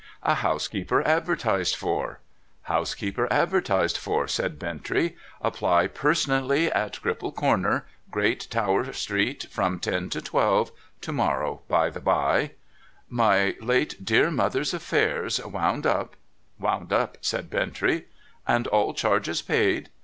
' A housekeeper advertised for ' 'Housekeeper advertised for,' said Bintrey, '"apply personally at Cripple Corner, Great Tower street, from ten to twelve"— to morrow, by the bye.' ' My late dear mother's affairs wound up '' Wound up,' said Bintrey. ' And all charges paid.'